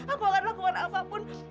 aku akan lakukan apapun